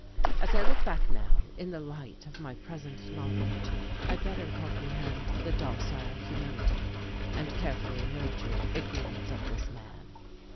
As I look back now, in the light of my present knowledge, I better comprehend the docile humility and carefully nurtured ignorance of this man.